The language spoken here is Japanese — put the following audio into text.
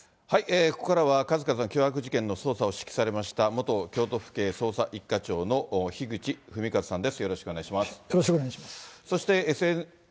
ここからは数々の凶悪事件の捜査を指揮されました元京都府警捜査１課長の樋口文和さんです。